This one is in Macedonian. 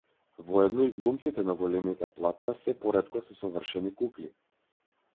Воедно и глумците на големите платна сѐ поретко се совршени кукли.